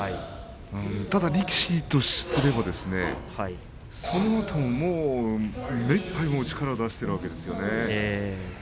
ただ、力士とすればそのあとも目いっぱい力を出しているわけですよね。